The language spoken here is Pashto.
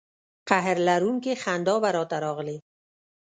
قهر لرونکې خندا به را ته راغلې.